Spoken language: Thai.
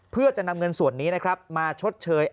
เพื่อจะนำเงินส่วนนี้นะครับมาชดเชย